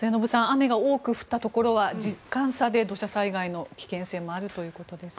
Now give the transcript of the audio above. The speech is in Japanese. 雨が多く降ったところは時間差で土砂災害の危険性もあるということです。